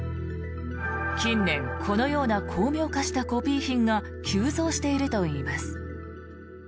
近年、このような巧妙化したコピー品が急増しているといいます。